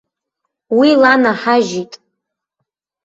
Уи ланаҳажьит.